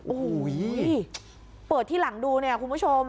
โอ้โหเปิดที่หลังดูเนี่ยคุณผู้ชม